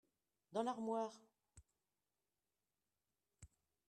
Dans l'armoire.